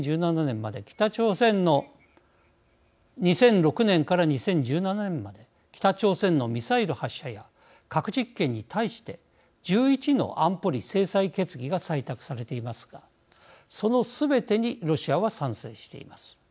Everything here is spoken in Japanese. ２００６年から２０１７年まで北朝鮮のミサイル発射や核実験に対して１１の安保理制裁決議が採択されていますがそのすべてにロシアは賛成しています。